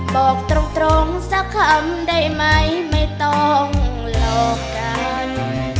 บอกตรงสักคำได้ไหมไม่ต้องหลอกกัน